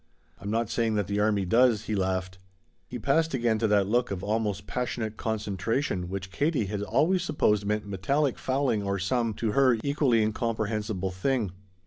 "I'm not saying that the army does," he laughed. He passed again to that look of almost passionate concentration which Katie had always supposed meant metallic fouling or some to her equally incomprehensible thing.